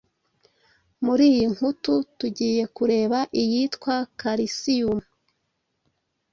Muri iyi nkutu tugiye kureba iyitwa Kalisiyumu